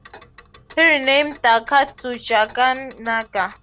He renamed Dhaka to Jahangir Nagar.